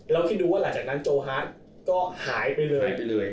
แล้วคิดดูว่าหลังจากนั้นโจฮัสก็หายไปเลย